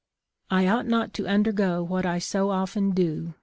I ought not to undergo what I so often do.